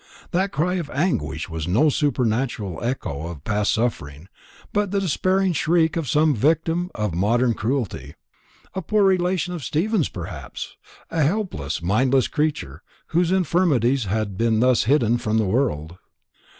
That cry of anguish was no supernatural echo of past suffering, but the despairing shriek of some victim of modern cruelty. A poor relation of Stephen's perhaps a helpless, mindless creature, whose infirmities had been thus hidden from the world.